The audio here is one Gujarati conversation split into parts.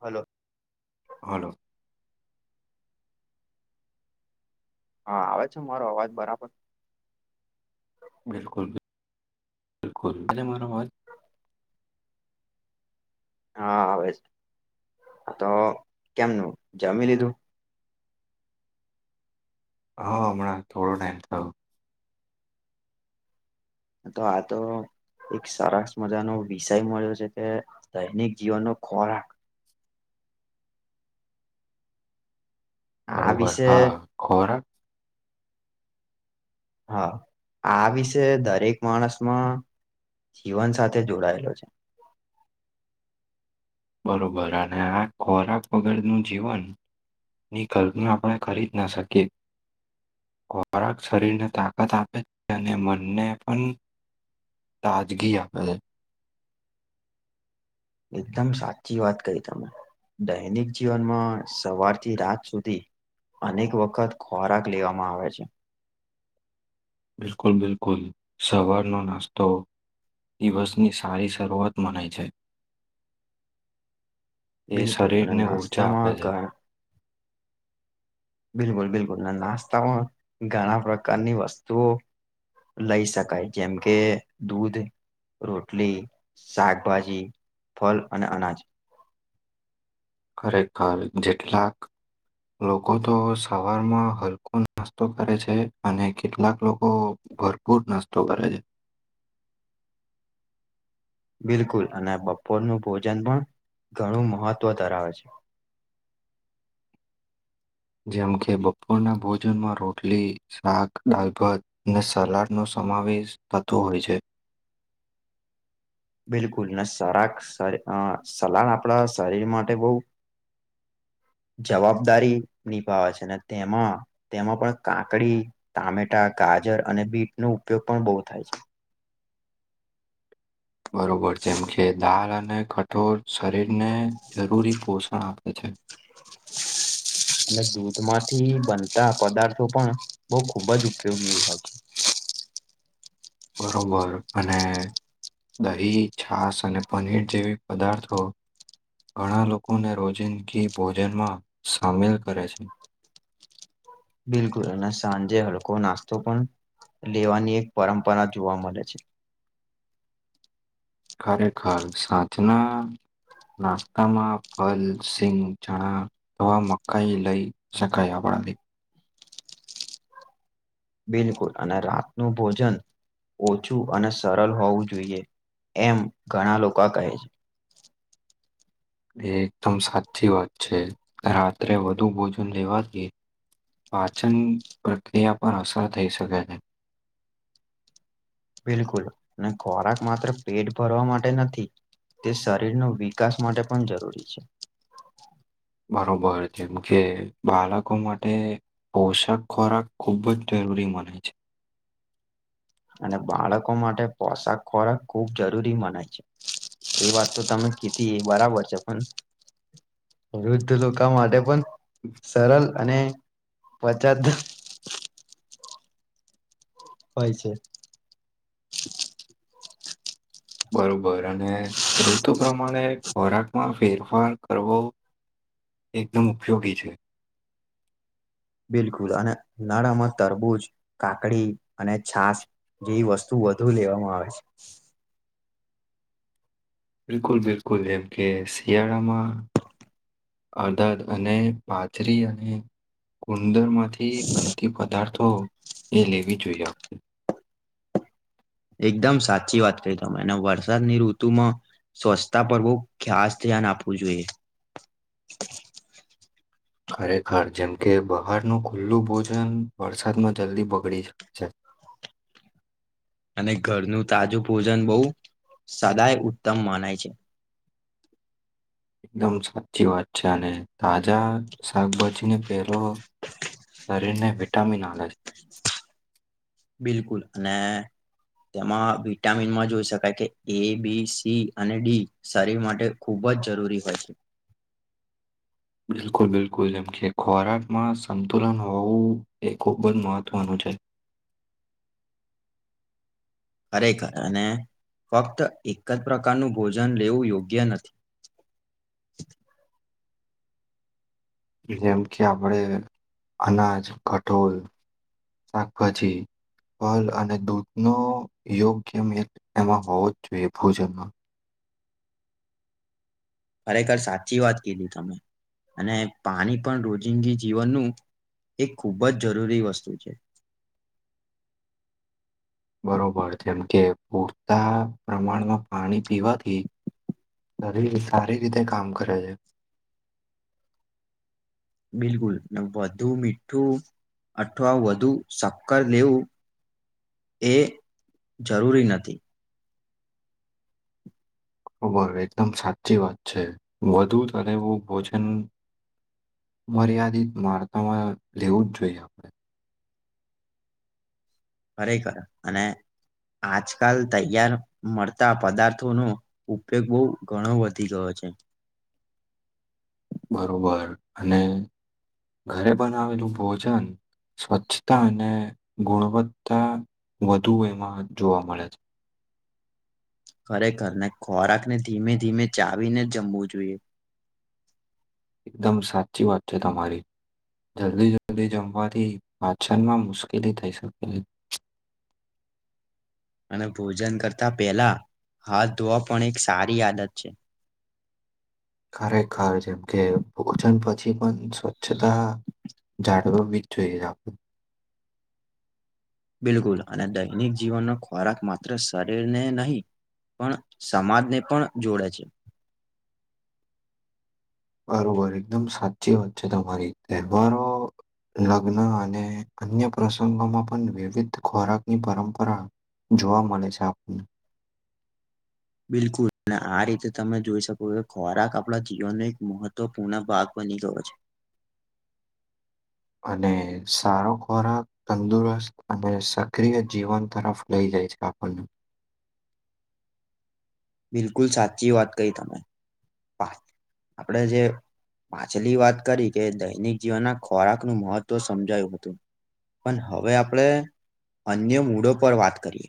હલો. હાલો. હા આવે છે મારો અવાજ બરાબર? બિલકુલ બિલકુલ મારો અવાજ હા આવે, તો કેમનું જમી લીધું? હા હમણાં થોડો ટાઈમ થયો. તો આા તો એક સારસ મજાનો વિષય મળ્યો છે કે દૈનિક જીવનનો ખોરાક. આ બરોબર વિશે હા ખોરાક. હા આ વિશે દરેક માણસમાં. જીવન સાથે જોડાયેલો છે. બરોબર અને આ ખોરાક વગર નું જીવન. ની કલ્પના આપણે કરી જ ન શકીએ. ખોરાક શરીરને તાકાત આપે છે અને મનને પણ. તાજગી આપફલ. એકદમ સાચી વાત કહી તમે. દૈનિક જીવનમાં સવારથી રાત સુધી. અનેક વખત ખોરાક લેવામાં આવે છે. બિલકુલ બિલકુલ સવારનોો નાસ્તો દિવસની સારી. જરૂઆત મનેય છે. તે બિલકુલ અને શરીરને ઊંચા આપે નાસ્તામાં છે. ઘ- બિલકુલ બિલકુલ નાસ્તામાં ઘણા પ્રકારની વસ્તુઓ. લઈ શકાય જેમ કે દૂધ. રોટલી શાકભાજી ફલ અને અનાજ. ખરેખર જેટલાક. લોકો તો સવારમાં હલકો નાસ્તો કરે છે અને કેટલાક લોકો. ભરપૂર નાસ્તો કરે છે બિલકુલ અને બપોરનું ભોજન પણ ઘણું મહત્વ ધરાવે છે. જેમ કે બપોરના ભોજનમાં રોટલી શાક દાલ ભાત અને સલાડ નો. સમાવેશ તત્વ હોય છે. બિલકુલ ને સરાક સલાન આપણા શરીર માટે બહ હ જવાબદારી નિભાવે છે ને તેમાં તેમાં પણ કાકડી ટામેટા. ગાજર અને બીટ નો ઉપયોગ પણ બહુ થાય છે. બરોબર જેમકે દાળ અને કઠોળ શરીરને જરૂરી પોષણ આપે. અચ્છા. હ. એ દૂધ માંથી બનતા પદાર્થો પણ બહ ખુબ જ ઉપયોગી. [unintelligible] બરોબર અને, દહી છાસ અને પનીર જેવી પદાર્થો. ઘણા લોકોને રોજિંદગી ભોજનમાં સામેલ કરે છે. બિલકુલ સાંજે હડકો નાસ્તો પણ. લેવાની એક પરંપરા જોવા મળે છે. ખરેખર સાચના. નાસ્તામાં ફલ સિંગ ચણા અવા મકાઈ લઈ શકાય આપ. ાલે. બિલકુલ અને રાતનું ભોજન. ઓછું અને સરળ હોવું જોઈએ એમ ઘણા લોકો કહે છે. એ એકદમ સાચી વાત છે રાત્રે વધુ ભોજન લેવા દઈ. પાચન પ્રક્રિયા પર અસર થઈ શકે છે. બિલકુલ અને ખોરાક માત્ર પેટ ભરવા માટે નથી. તે શરીરનો વિકાસ માટે પણ જરૂરી છે. બરોબર જેમ કે બાળકો માટે. પોશક ખોરાક ખૂબ જ જરૂરી મને છે. અને બાળકો માટે પોશાક ખોરાક ખૂબ જરૂરી બને છે એ વાત તો તમે કીધી એ બરાબર છે પણ વૃદ્ધ લોકો માટે પણ સરલ અને પચત હોય છે બરોબર અને ઋતુ પ્રમાણે ખોરાકમાં ફેરફાર કરવો એકદમ ઉપયોગી છે બિલકુલ અને નરમ તરબૂજ કાકડી અને છાસ જેવી વસ્તુ વધુ લેવામાં આવે બિલકુલ બિલકુલ એમ કે શિયાળામાં અદદ અને પાથરી અને ક ઉુંદર માંથી બનતી પદાર્થો એ લેવી જોઈએ એકદમ સાચી વાત કહી ત એને વરસાદની ઋતુમાં સ્વચ્છતા પરવું ખાસ ધ્યાન આપવું જોઈએ ખરેખર જેમ કે બહારનું ખુલ્લું ભોજન વરસાદમાં જલ્દી બગડી જાય છે [inaudible] અને ઘરનું તાજું ભોજન બહુ સદાય ઉત્તમ મનાય છે એકદમ સાચી વાત છે અને તાજા શાકભાજીને પેલો શરીરને વિટામિન આવે છે બિલકુલ અને તેમાં વિટામિનમાં જોઈ શકાય કે એ બી સી અને ડી શરીર માટે ખૂબ બ જ જરૂરી હોય છે બિલકુલ બિલકુલ જેમ કે ખોરાકમાં સંતુલન હોવું એ ખુબ જ મહત્વનું છે હ [inaudible] ખરેખર અને ફક્ત એક જ પ્રકારનું ભોજન લેવું યોગ્ય નથી જેમ કે આપડે અનાજ કઠોળ શાકભાજી ફલઅને દૂધનો યોગ્ય મેટ એમાં હોવો જ જોઈએ ભોજનમાં ખરેખર સાચી વાત કીધી તમે અને પાણી પણ રોજિંદી જીવનનું એ ખૂબ જ જરૂરી વસ્તુ છે બરોબર જેમ કે પૂરતા પ્રમાણમાં પાણી પીવાથી શરીર સારી રીતે કામ કરે છે બિલકુલ વધુ મીઠું અઠવા વધુ સક્કર લેવું એ જરૂરી નથી. બરાબર એકદમ સાચી વાત છે. વધુ તળેલુ ભોજન મર્યાદિત માત્રા માં લેવું જ જોઈએ આપડે. ખરે ખરે અને આજકાલ તૈયાર મળતા પદાર્થોનો ઉપયોગ બહુ ઘણો વધી ગયો છે. હ [inaudible] બરોબર અને ઘરે બનાવેલું ભોજન સ્વચ્છતા અને ગુણવત્તા વધુ એમાં જોવા મળે છે. ખરેખર ને ખોરાકને ધીમે ધીમે ચાવીને જમવું જોઈએ. એકદમ સાચી વાત છે. તમારી જલ્દી જલ્દી જમવાથી પાચનમાં મુશ્કેલી થઈ શકે છે. અને ભોજન કરતા પહેલા હાથ ધોવા પણ એક સારી આદત છે. [inaudible] ખરેખર જેમ કે ભોજન પછી પણ સ્વચ્છતા જાળવવી. એ મીચું જા આપ [unintelligible] બિલકુલ અને દૈનિક જીવનનો ખોરાક માત્ર શરીરને નહીં. પણ સમાજને પણ જોડે છે. બરોબર એકદમ સાચી વાત છે. તમારી તહેવારો લગ્ન અને અન્ય પ્રસંગોમાં પણ વિવિધ ખોરાકની પરંપરા જોવા મળે છે. આપણને બિલકુલ અને આ રીતે તમે જોઈ શકો કે ખોરાક આપણા જીવનનો એક મહત્વપૂર્ણ ભાગ બની ગયો છે. [inaudible] અને સારો ખોરાક તંદુરસ્ત અને સક્રિય જીવન તરફ લઈ જાય છે. આપ આપને બિલકુલ સાચી વાત કહી તમે વાત આપડે જે પાછલી વાત કરી કે દૈનિક જીવનના ખોરાકનું મહત્વ સમજાયું હતું પણ હવે આપણે અન્ય મૂડો પર વાત કરીએ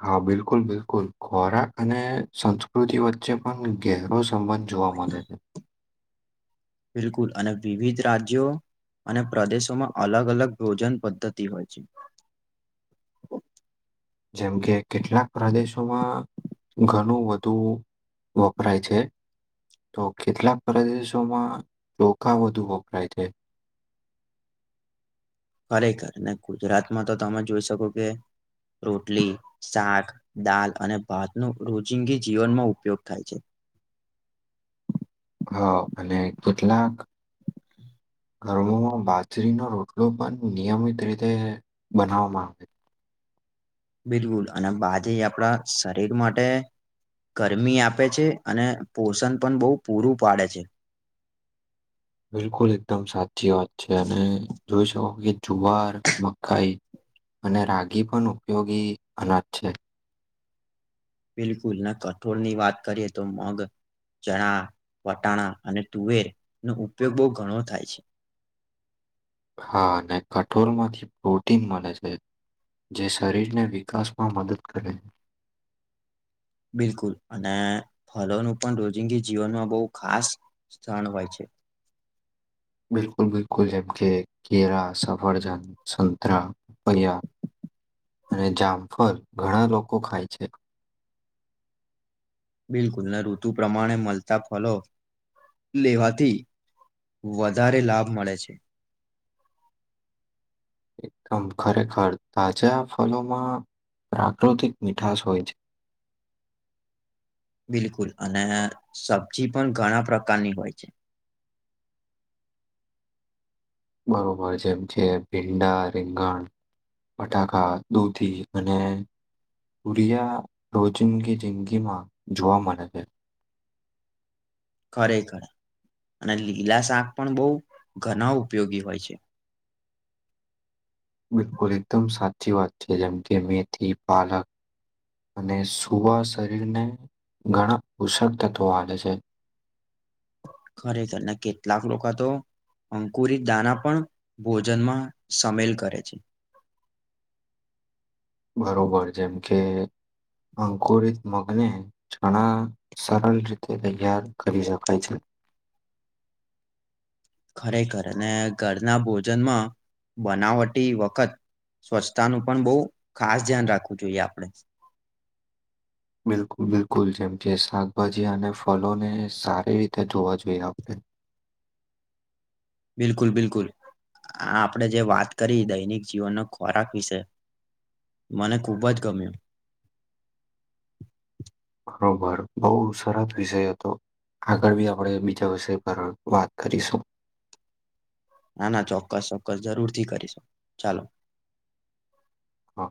હા બિલકુલ બિલકુલ ખોરાક અને સંસ્કૃતિ વચ્ચે પણ ગેહરો સંબંધ છે. જોવા મળે છે. બિલકુલ અને વિવિધ રાજ્યો અને પ્રદેશોમાં અલગ અલગ ભોજન પદ્ધતિ હોય છે. [inaudible] જેમ કે કેટલાક પ્રદેશોમાં ઘણું બધું વપરાય છે. તો કેટલાક પરદેશોમાં ચોખા વધુ વપરાય છે. ખરેખર ને ગુજરાતમાં તો તમે જોઈ શકો કે રોટલી શાક દાળ અને ભાત નો રોદીગી જીવનમાં ઉપયોગ થાય છે. [inaudible] હા અને કેટલાક, [inaudible] ઘરોમાં બાજરીનો રોટલો પણ નિયમિત રીતે બનાવવા માં આવે છે. બિલકુલ અને બાજરી આપણા શરીર માટે ગરમી આપે છે. અને પોષણ પણ બહુ પૂરું પાડે છે. બિલકુલ એકદમ સાચી વાત છે. અને જોઈ શકો કે જુવાર, મકાઈ અને રાગી પણ ઉપયોગી અનાજ છે. બિલકુલ ના કઠોળ ની વાત કરીએ તો મગ. ચણા, વટાણા અને તુવેર નો ઉપયોગ બહુ ઘણો થાય છે. [inaudible] હા અને કઠોળ માંથી પ્રોટીન મળે છે જે શરીરને વિકાસમાં મદદ કરે [inaudible] બિલકુલ અને ફલોનું પણ રોજિંગી જીવનમાં બહુ ખાસ સ્થણ હોય છે [inaudible] બિલકુલ બિલકુલ જેમ કે કેરા સફરજન સંતરા પયયા અને જામફર ઘણા લોકો ખાય છે બિલકુલ ને ઋતુ પ્રમાણે મળતા ફલો લેવાથી વધારે લાભ મળે છે [inaudible] એકદમ ખરેખર તાજા ફલોમાં પ્રાકૃતિક મીઠાશ હોય છે બિલકુલ અને સબ્જી પણ ઘણા પ્રકારની હોય છે [inaudible] બરોબર છે એમ છે ભીંડા રીંગણ બટાકા દૂધી અને તૂરિયા રોજિંદગી જિંદગીમાં જોવા મળે છે ખરે ખર અને લીલા શાક પણ બહુ ઘણા ઉપયોગી હોય છે [inaudible] બિલકુલ એકદમ સાચી વાત છે જેમ કે મેથી પાલક અને સુવા શરીરને ઘણા ઉષક તત્વો આવે છે ખરેખર ને કેટલાક લોકો હતો અંકુરીત દાના પણ ભોજનમાં સામેલ કરે છે [inaudible] બરોબર જેમ કે અંકુરિત મગને જણા સરળ રીતે તૈયાર કરી શકાય છે [inaudible] ખરેખર અને ઘરના ભોજનમાં બનાવટી વખત સ્વચ્છતાનું પણ બહુ ખાસ ધ્યાન રાખવું જોઈએ આપણે બિલકુલ બિલકુલ જેમ જે શાકભાજી અને ફલોને સારી રીતે જોવા જોઈએ આપણે બિલકુલ બિલકુલ હ આપણેે જે વાત કરી દૈનિક જીવનનો ખોરાક વિશે મને ખૂબ જ ગમ્યું બરોબર બહુ સરસ વિષય હતો આગળ બી આપણે બીજા વિષય પર વાત કરીશું [inaudible] ના ના ચોક્કસ ચોક્કસ જરૂરથી કરી શકો ચાલો હા